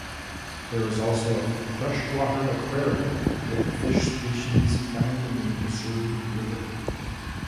There is also a freshwater aquarium with fish species found in the Missouri River.